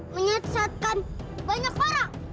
menyesatkan banyak orang